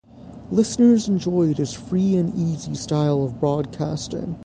Listeners enjoyed his free and easy style of broadcasting.